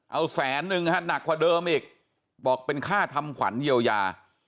เอาแสนนึงฮะหนักกว่าเดิมอีกบอกเป็นค่าทำขวัญเยียวยา